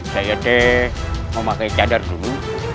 saya mau pakai cadar dulu